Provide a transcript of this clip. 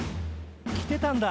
来てたんだ！